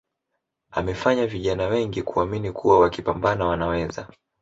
amefanya vijana wengi kuamini kuwa wakipambana Wanaweza